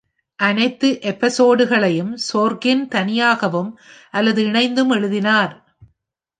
அனைத்து எபிசோடுகளையும் சோர்கின் தனியாகவும் அல்லது இணைந்தும் எழுதினார்.